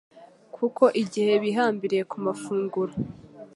kuko igihe bihambiriye ku mafunguro